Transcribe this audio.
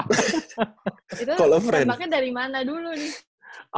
itu merembaknya dari mana dulu nih